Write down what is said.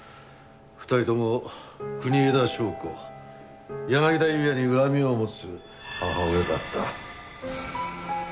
２人とも国枝祥子柳田裕也に恨みを持つ母親だった。